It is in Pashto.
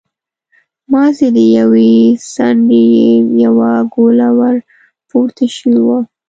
مازې له يوې څنډې يې يوه ګوله ور پورته شوې وه.